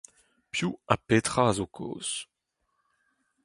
Piv ha petra a zo kaoz ?